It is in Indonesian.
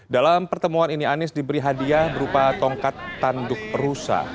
dalam pertemuan ini anies diberi hadiah berupa tongkat tanduk perusa